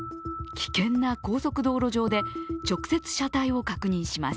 危険な高速道路上で直接車体を確認します。